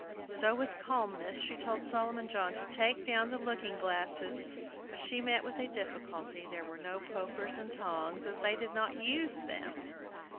So with calmness she told Solomon John to take down the looking glasses. But she met with a difficulty, there were no pokers and tongs, as they did not use them.